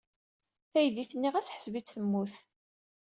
Taydit-nni ɣas ḥseb-itt temmut.